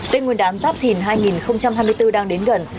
tên nguyên đán giáp thìn hai nghìn hai mươi bốn đang đến gần